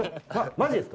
マジですか？